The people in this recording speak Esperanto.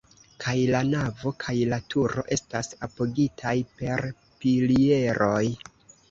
Kaj la navo kaj la turo estas apogitaj per pilieroj.